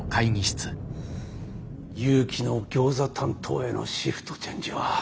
祐樹のギョーザ担当へのシフトチェンジは。